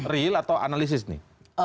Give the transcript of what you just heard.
real atau analisis nih